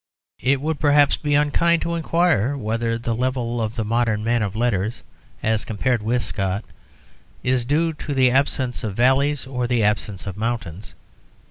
It would perhaps be unkind to inquire whether the level of the modern man of letters, as compared with Scott, is due to the absence of valleys or the absence of mountains.